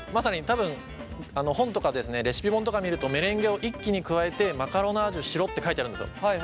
多分本とかレシピ本とか見るとメレンゲを一気に加えてマカロナージュしろって書いてあるんですよ。